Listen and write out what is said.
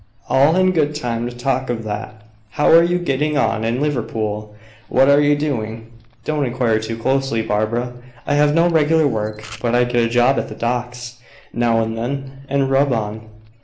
"All in good time to talk of that. How are you getting on in Liverpool? What are you doing?" "Don't inquire too closely, Barbara. I have no regular work, but I get a job at the docks, now and then, and rub on.